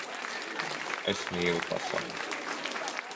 Es mīlu pasauli!